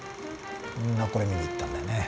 みんなこれ見に行ったんだよね。